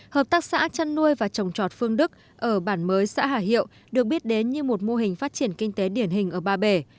hợp tác xã chăn nuôi và trồng trọt phương đức ở bản mới xã hà hiệu được biết đến như một mô hình phát triển kinh tế điển hình ở ba bể